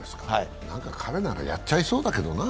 彼ならやっちゃいそうだけどな。